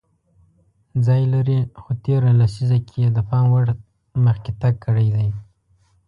ځای لري خو تېره لیسزه کې یې د پام وړ مخکې تګ کړی دی